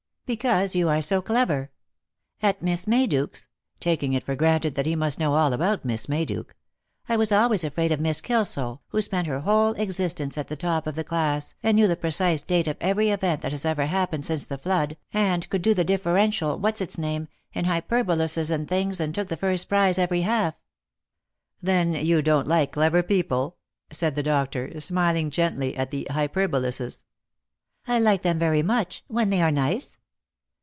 " Because you are so clever. At Miss Mayduke's "— taking it for granted that he must know all about Miss Mayduke —" I was always afraid of Miss Kilso, who spent her whole existence at the top of the class, and knew the precise date of every event that has ever happened since the Flood, and could do the dif ferential what's its name, and hyperboluses and things, and took the first prize every half !"" Then you don't like clever people ?" said the doctor, smiling gently at the hyperboluses. " I like them very much, when they are nice."